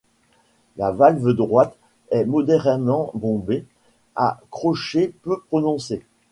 La valve droite est modérément bombée, à crochet peu prononcé.